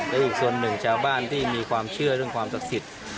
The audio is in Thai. และอีกส่วนหนึ่งชาวบ้านที่มีความเชื่อเรื่องความศักดิ์สิทธิ์